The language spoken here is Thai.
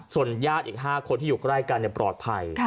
ส่วนญาติอีก๕คนที่อยู่ใกล้กันปลอดภัย